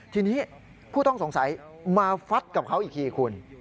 ทีนี้ผู้ต้องสงสัยมาฟัดกับเขาอีกทีคุณ